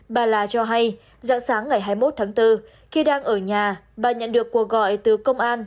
bà la cho hay dạng sáng ngày hai mươi một tháng bốn khi đang ở nhà bà nhận được cuộc gọi từ công an